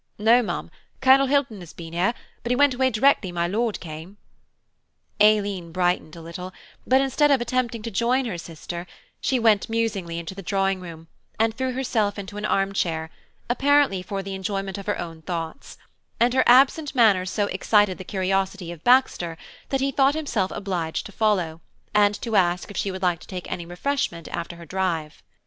"No, ma'am, Colonel Hilton has been here, but he went away directly my Lord came." Aileen brightened a little, but instead of attempting to join her sister, she went musingly into the drawing room, and threw herself into an armchair, apparently for the enjoyment of her own thoughts; and her absent manner so excited the curiosity of Baxter that he thought himself obliged to follow, and to ask if she would like to take any refreshment after her drive.